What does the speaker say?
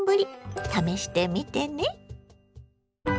試してみてね。